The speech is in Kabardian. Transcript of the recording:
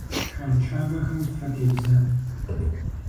Шэнт щабэхэм фэ тебзат.